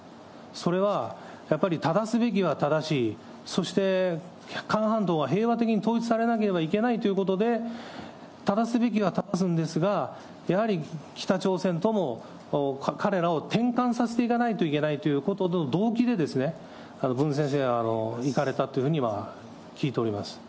それはやっぱりただすべきはただし、そして、韓半島は平和的に統一されなければいけないということで、ただすべきはただすんですが、やはり北朝鮮とも、彼らを転換させていかないといけないという動機でムン先生は行かれたっていうふうには聞いております。